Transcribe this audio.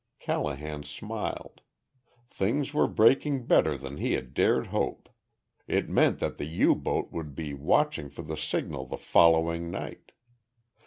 _" Callahan smiled. Things were breaking better than he had dared hope. It meant that the U boat would be watching for the signal the following night.